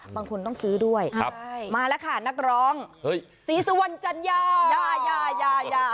บางคนต้องซื้อด้วยมาแล้วค่ะนักร้องสีสวรรค์จัญญา